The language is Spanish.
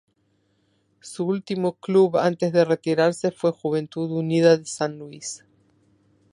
Su último club antes de retirarse fue Juventud Unida de San Luis.